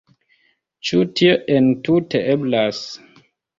Ĉu tio entute eblas?